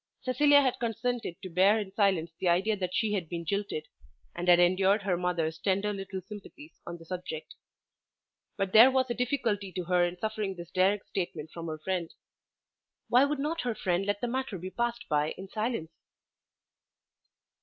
Cecilia had consented to bear in silence the idea that she had been jilted, and had endured her mother's tender little sympathies on the subject. But there was a difficulty to her in suffering this direct statement from her friend. Why would not her friend let the matter be passed by in silence?